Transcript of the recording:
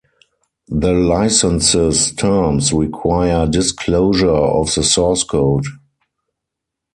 The license's terms require disclosure of the source code.